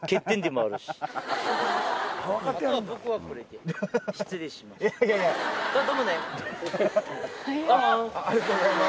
ありがとうございます。